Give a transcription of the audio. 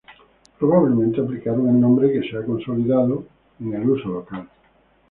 Probablemente aplicaron el nombre, que se ha consolidado en el uso local.